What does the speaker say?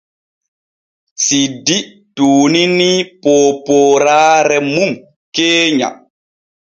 Siddi tuuninii poopooraare mum keenya.